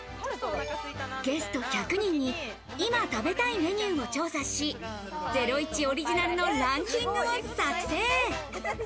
ゲスト１００人に今食べたいメニューを調査し、『ゼロイチ』オリジナルのランキングを作成。